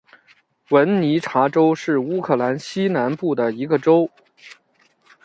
文尼察州是乌克兰西南部的一个州。